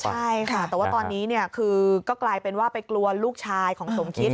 ใช่ค่ะแต่ว่าตอนนี้คือก็กลายเป็นว่าไปกลัวลูกชายของสมคิด